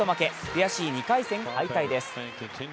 悔しい２回戦敗退です。